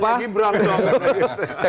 sudah hanya gibran dong